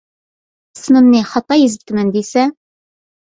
ئىسمىمنى خاتا يېزىپتىمەن دېسە.